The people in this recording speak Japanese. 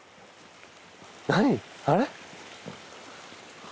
何あれ？